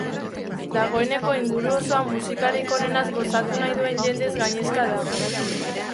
Dagoeneko inguru osoa musikarik onenaz gozatu nahi duen jendez gainezka dago.